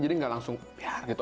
jadi nggak langsung biar gitu